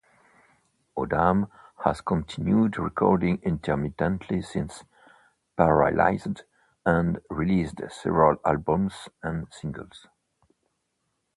Odam has continued recording intermittently since "Paralyzed" and released several albums and singles.